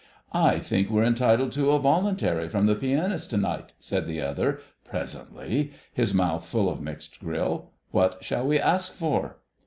"I think we're entitled to a voluntary from the pianist to night," said the other presently, his mouth full of mixed grill. "What shall we ask for?"